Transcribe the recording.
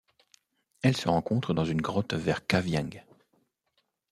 Elle se rencontre dans une grotte vers Kavieng.